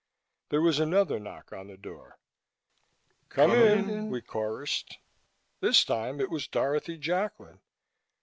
There was another knock on the door. "Come in!" we chorused. This time it was Dorothy Jacklin.